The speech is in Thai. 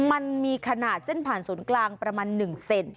มันมีขนาดเส้นผ่านศูนย์กลางประมาณ๑เซน